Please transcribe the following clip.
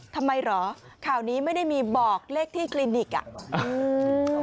ทำไมเหรอข่าวนี้ไม่ได้มีบอกเลขที่คลินิกอ่ะอืม